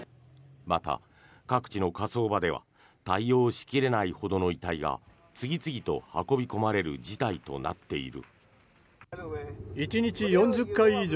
また、各地の火葬場では対応しきれないほどの遺体が次々と運び込まれる事態となっている。